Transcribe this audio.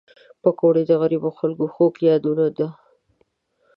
پکورې د غریبو خلک خوږ یادونه ده